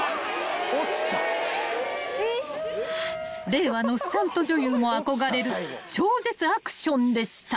［令和のスタント女優も憧れる超絶アクションでした］